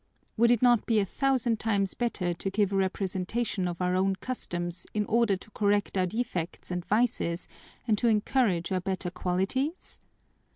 Would it not be a thousand times better to give a representation of our own customs in order to correct our defects and vices and to encourage our better qualities?"